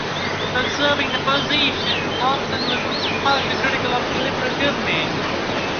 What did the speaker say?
While serving in opposition, Thompson was harshly critical of the Liberal government.